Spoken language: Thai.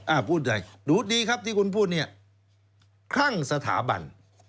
พูดใหญ่ดูดีครับที่คุณพูดเนี่ยคลั่งสถาบัน